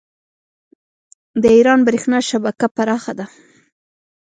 د ایران بریښنا شبکه پراخه ده.